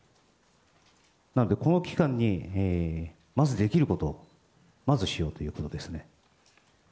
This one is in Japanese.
なので、この期間にまずできること、まずしようということですね。